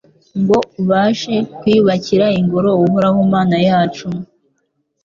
ngo ubashe kwiyubakira Ingoro Uhoraho Mana yacu